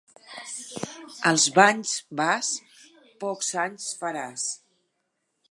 Als banys vas, pocs anys faràs.